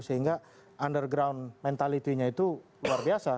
sehingga underground mentality nya itu luar biasa